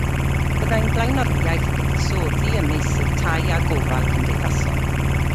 Byddai'n blaenoriaeth buddsoddi ym meysydd tai a gofal cymdeithasol.